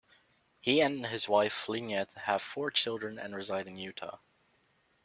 He and his wife Lynette have four children and reside in Utah.